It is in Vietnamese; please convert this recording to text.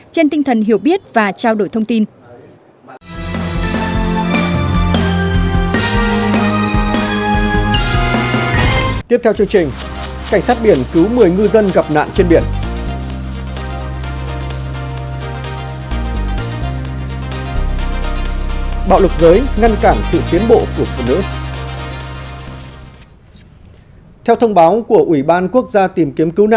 trên tinh thần hiểu biết và trao đổi thông tin